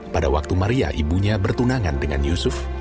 pada waktu maria ibunya bertunangan dengan yusuf